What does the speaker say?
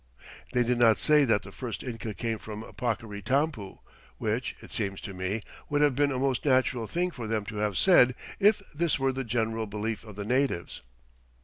They did not say that the first Inca came from Paccaritampu, which, it seems to me, would have been a most natural thing for them to have said if this were the general belief of the natives.